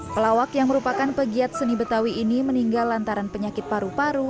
pelawak yang merupakan pegiat seni betawi ini meninggal lantaran penyakit paru paru